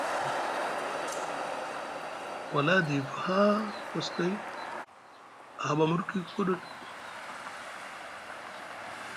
Wala a diiva haa koskoy a haɓa mudukwi koduɗ.